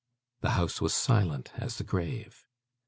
The house was silent as the grave.